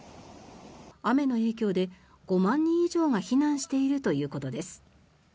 雨の影響で５万人以上が避難しているということです。